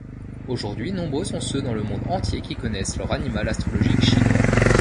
Aujourd'hui, nombreux sont ceux dans le monde entier qui connaissent leur animal astrologique chinois.